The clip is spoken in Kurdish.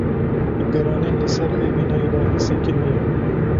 bi giranî li ser evîna îlahî sekinîye.